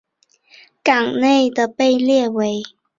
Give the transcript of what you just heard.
港内的被列为。